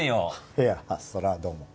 いやそれはどうも。